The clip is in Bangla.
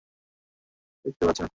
কারণ আমি খেতে পারছি না।